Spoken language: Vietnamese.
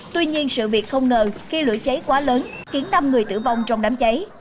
tuy nhiên sự việc không ngờ khi lửa cháy quá lớn khiến năm người tử vong trong đám cháy